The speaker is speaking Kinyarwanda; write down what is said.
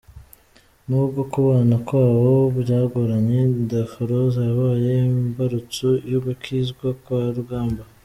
N’ubwo kubana kwabo byagoranye, Daforoza yabaye imbarutso y’ugukizwa kwa Rugamba.